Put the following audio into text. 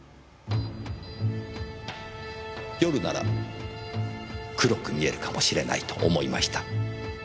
夜なら黒く見えるかもしれないと思いました。